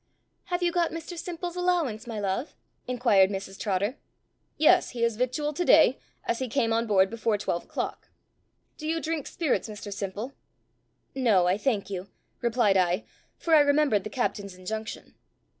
"Have you got Mr Simple's allowance, my love?" inquired Mrs Trotter. "Yes, he is victualled to day, as he came on board before twelve o'clock. Do you drink spirits, Mr Simple?" "No, I thank you," replied I, for I remembered the captain's injunction.